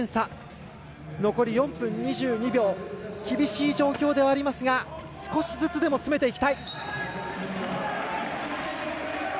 厳しい状況ではありますが少しずつでも詰めていきたい。